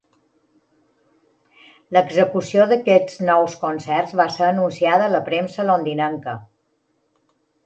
L'execució d'aquests nous concerts va ser anunciada a la premsa londinenca.